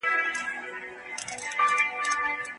بشري حقونه د انساني تمدن تر ټولو لوړه لاسته راوړنه ده.